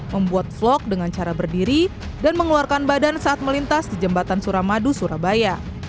membuat vlog dengan cara berdiri dan mengeluarkan badan saat melintas di jembatan suramadu surabaya